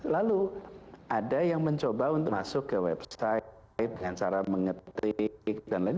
lalu ada yang mencoba untuk masuk ke website dengan cara mengetik dan lain lain